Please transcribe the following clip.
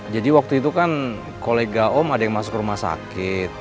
jadi waktu itu kan kolega om ada yang masuk rumah sakit